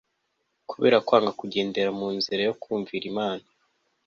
kubera kwanga kugendera mu nzira yo kumvira imana